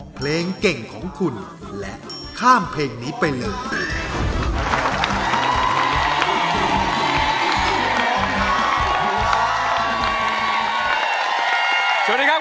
เพลงเก่งของคุณและข้ามเพลงนี้ไปเลย